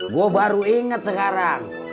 gue baru inget sekarang